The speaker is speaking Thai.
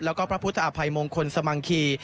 แล้วก็พระพุทธอภัยมงคลสมังคี